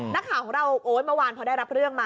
นักข่าวของเราโอ๊ยเมื่อวานพอได้รับเรื่องมา